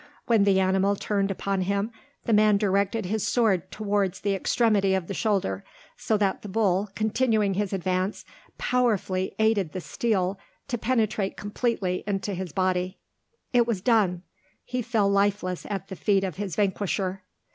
When the animal turned upon him the man directed his sword towards the extremity of the shoulder, so that the bull, continuing his advance, powerfully aided the steel to penetrate completely into his body. It was done! He fell lifeless at the feet of his vanquisher.